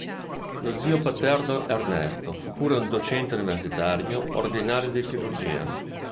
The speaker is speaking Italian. Lo zio paterno Ernesto fu pure un docente universitario, ordinario di chirurgia.